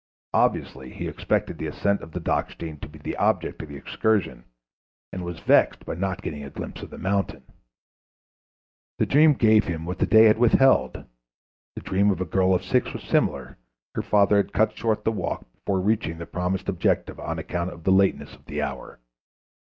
Obviously he expected the ascent of the Dachstein to be the object of the excursion, and was vexed by not getting a glimpse of the mountain. The dream gave him what the day had withheld. The dream of a girl of six was similar; her father had cut short the walk before reaching the promised objective on account of the lateness of the hour.